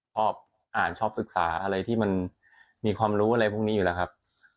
ชอบอ่านชอบศึกษาอะไรที่มันมีความรู้อะไรพวกนี้อยู่แล้วครับ